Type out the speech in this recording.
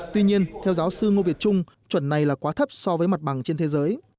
tuy nhiên theo giáo sư ngô việt trung chuẩn này là quá thấp so với mặt bằng trên thế giới